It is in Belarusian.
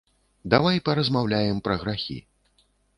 Давай паразмаўляем пра грахі.